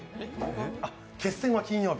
あ、決戦は金曜日。